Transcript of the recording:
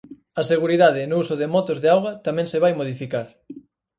A seguridade no uso de motos de auga tamén se vai modificar.